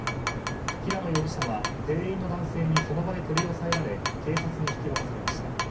平野容疑者は店員の男性にその場で取り押さえられ警察に引き渡されました。